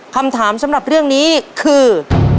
คำถามสำหรับเรื่องนี้คือ